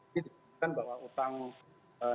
jadi disampaikan bahwa utang kita ini